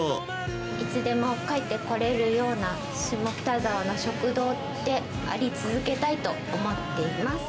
いつでも帰ってこれるような下北沢の食堂であり続けたいと思っています。